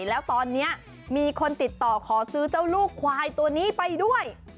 แล้วตอนนี้มีคนติดต่อขอซื้อเจ้าลูกควายตัวนี้ไปด้วย